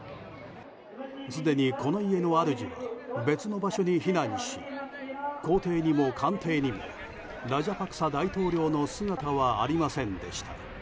すでに、この家の主は別の場所に避難し公邸にも官邸にもラジャパクサ大統領の姿はありませんでした。